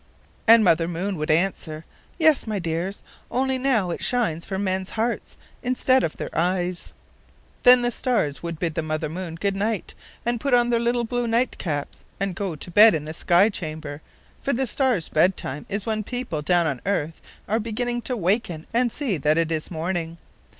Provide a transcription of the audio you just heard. And Mother Moon would answer: "Yes, my dears, only now it shines for men's hearts instead of their eyes." Then the stars would bid the Mother Moon good night and put on their little blue nightcaps and go to bed in the sky chamber; for the stars' bedtime is when people down on the earth are beginning to waken and see that it is morning.